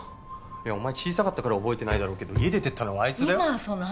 お前小さかったから覚えてないだろうけど家出てったのはあいつだよ今その話？